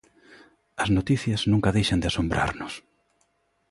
As noticias nunca deixan de asombrarnos.